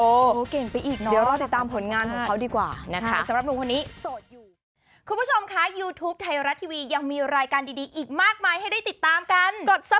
โอ้เก่งไปอีกเนอะต้องติดตามผลงานของเขาดีกว่านะคะ